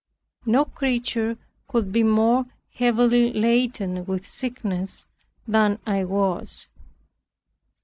No creature could be more heavily laden with sickness than I was.